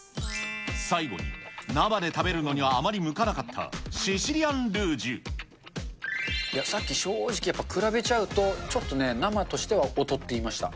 最後に生で食べるのにはあまり向かなかったシシリアンルージいや、さっき正直、比べちゃうと、ちょっとね、生としては劣っていました。